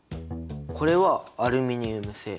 これはアルミニウム製。